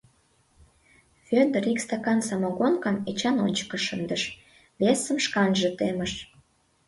Вӧдыр ик стакан самогонкым Эчан ончыко шындыш, весым шканже темыш.